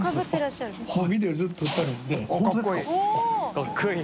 かっこいい。